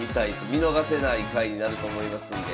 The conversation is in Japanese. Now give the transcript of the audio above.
見逃せない回になると思いますんで。